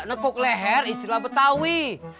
nukuk leher istilah betawi